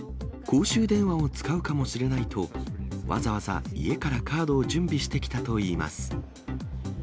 公衆電話を使うかもしれないと、わざわざ家からカードを準備してきたといいます。